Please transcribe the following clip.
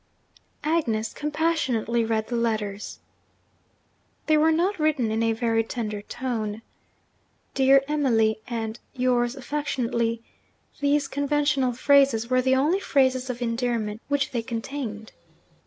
Agnes compassionately read the letters. They were not written in a very tender tone. 'Dear Emily,' and 'Yours affectionately' these conventional phrases, were the only phrases of endearment which they contained.